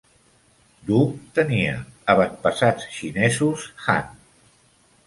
Du tenia avantpassats xinesos Han.